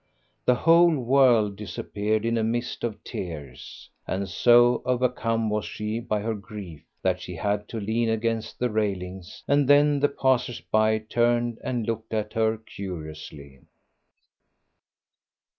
The whole world disappeared in a mist of tears. And so overcome was she by her grief that she had to lean against the railings, and then the passers by turned and looked at her curiously.